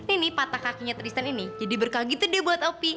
ini patah kakinya tristan ini jadi berkah gitu deh buat opi